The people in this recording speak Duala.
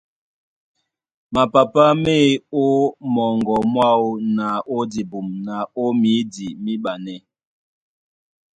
Mapapá ma e mɔŋgɔ mwáō na ó dibum na ó mídi míɓanɛ́.